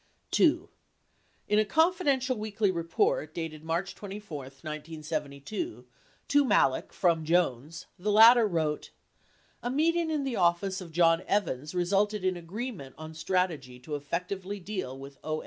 77 2. In a "Confidential Weekly Report" dated March 24, 1972, to Malek from Jones, 78 the latter wrote : "A meeting in the office of John Evans resulted in agreement on strategy to effectively deal with 3.